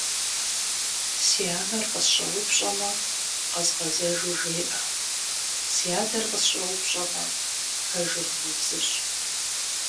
Си анэр къысщӏэупщӏэмэ, къэзгъэзэжу жеӏэ, си адэр къысщӏэупщӏэмэ, пэжыр умыбзыщӏ.